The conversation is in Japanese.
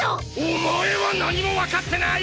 お前は何もわかってない！